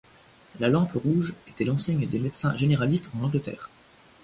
La lampe rouge était l'enseigne des médecins généralistes en Angleterre.